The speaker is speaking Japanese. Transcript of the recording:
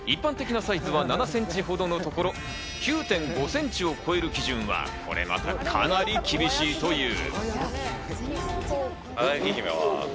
一般的なサイズは７センチほどのところ、９．５センチを超える基準はこれまたかなり厳しいという。